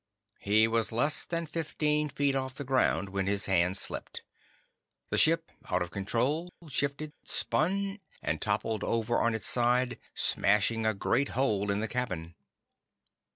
He was less than fifteen feet off the ground when his hand slipped. The ship, out of control, shifted, spun, and toppled over on its side, smashing a great hole in the cabin.